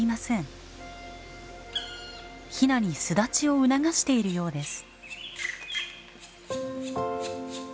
ヒナに巣立ちを促しているようです。